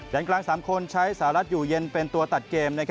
ด้านกลาง๓คนใช้สหรัฐอยู่เย็นเป็นตัวตัดเกม